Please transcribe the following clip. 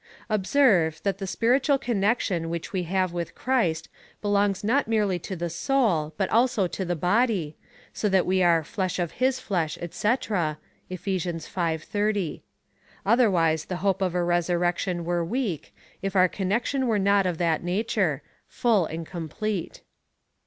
Observe, that the spiritual connection which we have with Christ belongs not merely to the soul, but also to the body, so that we are flesh of his flesh, &c. (Eph. v. 30.) Otherwise the hope of a resurrection were weak, if our connection were not of that nature — full and complete.